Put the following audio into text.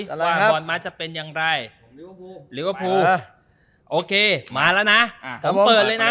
ว่าบอร์ดมัสจะเป็นยังไรโอเคมาแล้วนะอ่ะผมเปิดเลยนะ